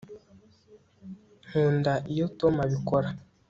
nkunda iyo tom abikora